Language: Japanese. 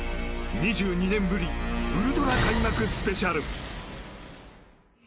２２年ぶりウルトラ開幕スペシャル！